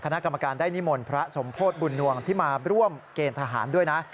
คณะกรรมการได้นิมนต์พระสมโพธิบุญนวงที่มาร่วมเกณฑ์ทหารด้วยนะ